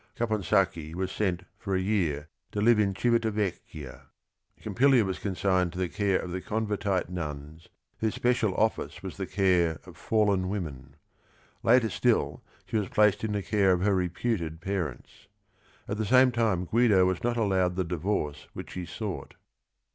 Caponsacchi was sent for a year to live in Civita Vecchia. Pompilia was consigned to the care of the Convertite nuns, whose special office was the care of fallen women. Later still she was placed in the care of her reputed parents. At the same time Guido was not allowed the divorce which he sought.